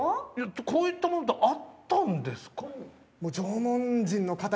こういったものってあったんですか？